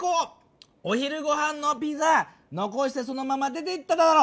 お昼ごはんのピザのこしてそのまま出ていっただろ！